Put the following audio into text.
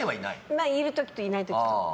いる時といない時と。